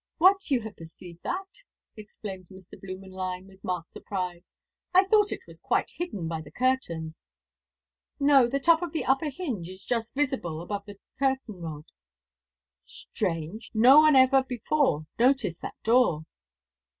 "What, you have perceived that!" exclaimed Mr. Blümenlein, with marked surprise. "I thought it was quite hidden by the curtains." "No, the top of the upper hinge is just visible above the curtain rod." "Strange! No one ever before noticed that door."